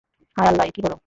হায়, আল্লাহ, এ কী হলো?